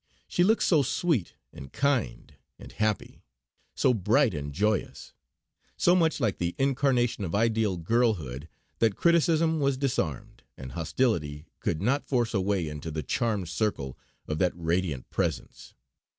She looked so sweet, and kind and happy; so bright and joyous; so much like the incarnation of ideal girlhood, that criticism was disarmed, and hostility could not force a way into the charmed circle of that radiant presence.